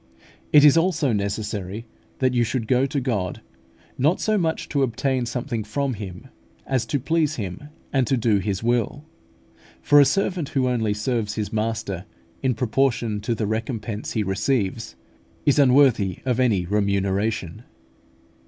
It is also necessary that you should go to God, not so much to obtain something from Him, as to please Him, and to do His will; for a servant who only serves his master in proportion to the recompense he receives, is unworthy of any remuneration.